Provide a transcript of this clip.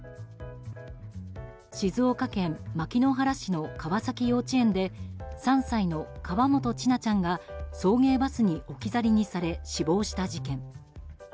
静岡県牧之原市の川崎幼稚園で３歳の河本千奈ちゃんが送迎バスに置き去りにされ死亡した事件。